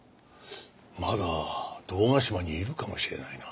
まだ堂ヶ島にいるかもしれないな。